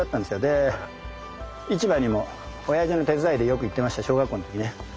で市場にも親父の手伝いでよく行ってました小学校の時ね。